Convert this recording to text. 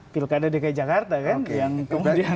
pilkada dki jakarta kan yang kemudian